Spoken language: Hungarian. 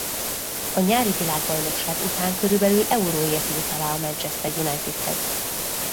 A nyári világbajnokság után körülbelül euróért írt alá a Manchester Unitedhez.